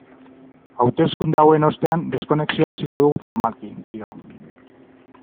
Hauteskunde hauen ostean deskonexioa hasiko dugu formalki, dio.